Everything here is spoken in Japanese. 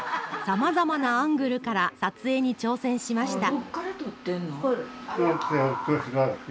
さまざまなアングルから撮影に挑戦しました。